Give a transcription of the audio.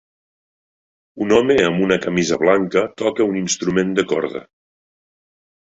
Un home amb una camisa blanca toca un instrument de corda.